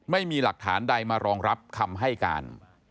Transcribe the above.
ไม่มีหลักฐานใดมารองรับคำให้การ